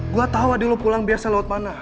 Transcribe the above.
gue tau adek lo pulang biasa lewat mana